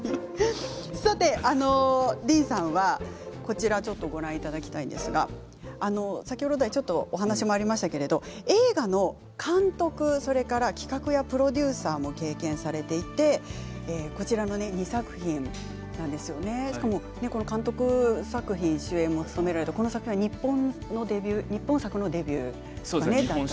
ディーンさんはこちらご覧いただきたいんですけれど先ほどから話がありましたけれど映画の監督やプロデューサーを経験されていてこちらの２作品しかも監督作品、主演も務められてこの作品は日本作品のデビューということですね。